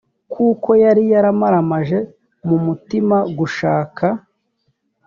kuko yari yaramaramaje mu mutima gushaka